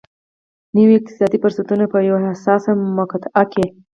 نویو اقتصادي فرصتونو په یوه حساسه مقطعه کې.